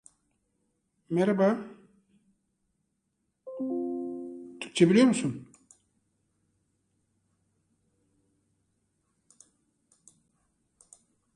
His duties included test flying as well as serving as the production supervisor.